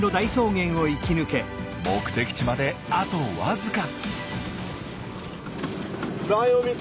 目的地まであとわずか。